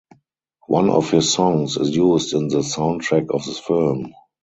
One of his songs is used in the soundtrack of the film.